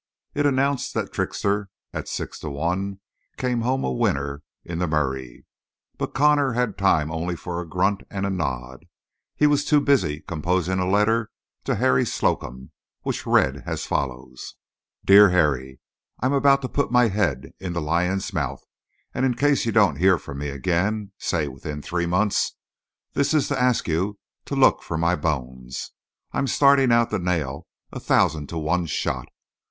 It announced that Trickster, at six to one, came home a winner in the Murray. But Connor had time for only a grunt and a nod; he was too busy composing a letter to Harry Slocum, which read as follows: DEAR HARRY: I'm about to put my head in the lion's mouth; and in case you don't hear from me again, say within three months, this is to ask you to look for my bones. I'm starting out to nail a thousand to one shot.